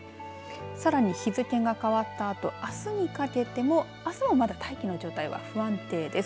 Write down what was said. さらに日付が変わったあとあすにかけてもあすもまだ大気の状態は不安定です。